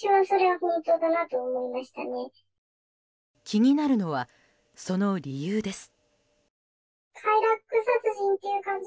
気になるのは、その理由です。